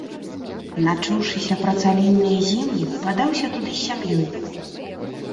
Начуўшыся пра цалінныя землі, падаўся туды з сям'ёй.